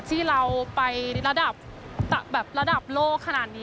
ที่เราไประดับแบบระดับโลกขนาดนี้